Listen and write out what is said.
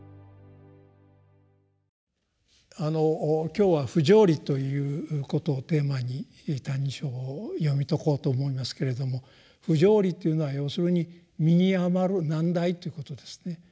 今日は「不条理」ということをテーマに「歎異抄」を読み解こうと思いますけれども「不条理」というのは要するに「身に余る難題」ということですね。